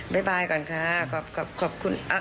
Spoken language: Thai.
บ๊ายบายก่อนค่ะขอบคุณโอ้ย